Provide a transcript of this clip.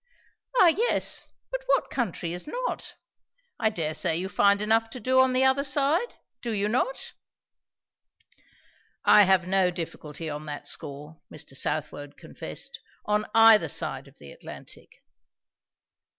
"Ah yes; but what country is not? I dare say you find enough to do on the other side. Do you not?" "I have no difficulty on that score," Mr. Southwode confessed; "on either side of the Atlantic."